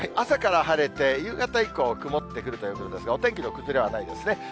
朝から晴れて、夕方以降、曇ってくるということですが、お天気の崩れはないですね。